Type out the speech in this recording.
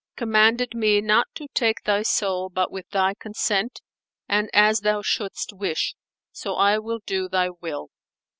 commanded me not to take thy soul but with thy consent and as thou shouldst wish; so I will do thy will."